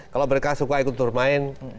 kalau mereka suka ikut bermain